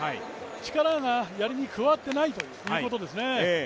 力がやりに加わってないということですね。